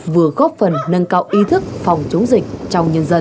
vừa góp phần nâng cao ý thức phòng chống dịch trong nhân dân